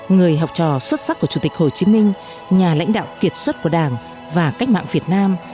người học trò xuất sắc của chủ tịch hồ chí minh nhà lãnh đạo kiệt xuất của đảng và cách mạng việt nam